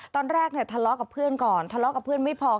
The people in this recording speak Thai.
ตอนแรกเนี่ยทะเลาะกับเพื่อนก่อนทะเลาะกับเพื่อนไม่พอ